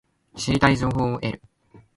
知りたい情報を得る